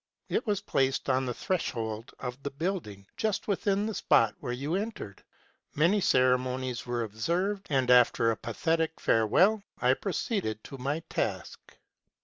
It was placed on the threshold of the building, just within the spot where you entered. Many ceremonies were observed ; and, after a pathetic farewell, I 244 MEISTER'S TRAVELS. proceeded to my task.